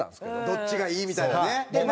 「どっちがいい？」みたいなね。